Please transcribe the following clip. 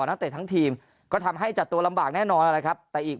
นักเตะทั้งทีมก็ทำให้จัดตัวลำบากแน่นอนนะครับแต่อีก